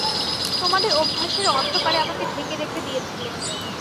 তোমাদের অভ্যাসের অন্ধকারে আমাকে ঢেকে রেখে দিয়েছিলে।